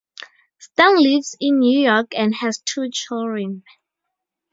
Stern lives in New York and has two children.